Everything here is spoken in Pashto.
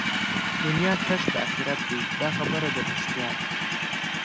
دنيا کښت د آخرت دئ دا خبره ده رښتيا